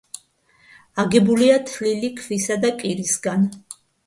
აგებულია თლილი ქვისა და კირისგან.